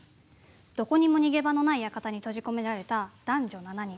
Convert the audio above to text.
どこにも逃げ場のない館に閉じ込められた男女７人。